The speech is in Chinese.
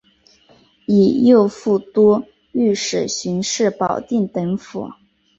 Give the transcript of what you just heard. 以右副都御史巡视保定等府。